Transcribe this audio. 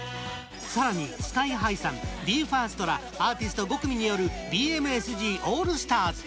更に、ＳＫＹ‐ＨＩさんＢＥ：ＦＩＲＳＴらアーティスト５組によるＢＭＳＧＡＬＬＳＴＡＲＳ。